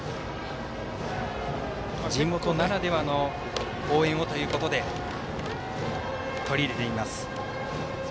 地元ならではの応援をということで取り入れています。